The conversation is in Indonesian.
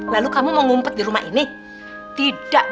loros orang malaysia mending sesuai pun air terbuka mu